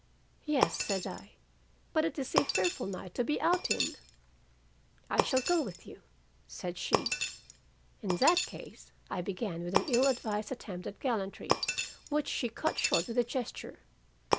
"'Yes,' said I, 'but it is a fearful night to be out in.' "'I shall go with you,' said she. "'In that case ' I began with an ill advised attempt at gallantry which she cut short with a gesture.